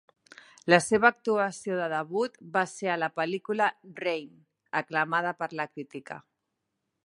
La seva actuació de debut va ser a la pel·lícula "Rain", aclamada per la crítica.